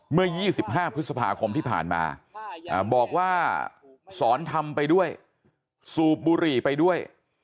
เมื่อ๒๕พฤษภาคมที่ผ่านมาบอกว่าสอนทำไปด้วยสูบบุหรี่ไปด้วย